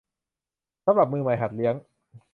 สำหรับมือใหม่หัดเลี้ยง